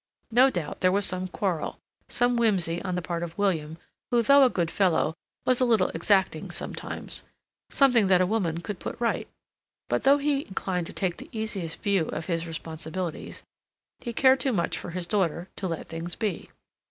No doubt there was some quarrel, some whimsey on the part of William, who, though a good fellow, was a little exacting sometimes—something that a woman could put right. But though he inclined to take the easiest view of his responsibilities, he cared too much for this daughter to let things be.